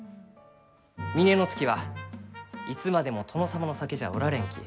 峰乃月は、いつまでも殿様の酒じゃおられんき。